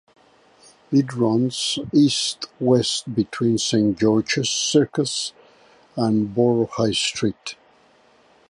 It runs east-west between Saint George's Circus and Borough High Street.